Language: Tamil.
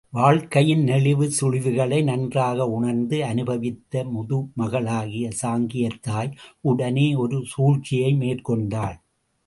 வாழ்க்கையின் நெளிவு சுளிவுகளை நன்றாக உணர்ந்து அனுபவித்த முதுமகளாகிய சாங்கியத் தாய் உடனே ஒரு சூழ்ச்சியை மேற் கொண்டாள்.